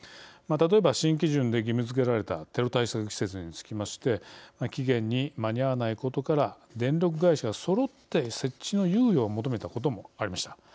例えば、新基準で義務づけられたテロ対策施設につきまして期限に間に合わないことから電力会社がそろって設置の猶予を求めたこともありました。